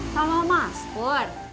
sama mas pur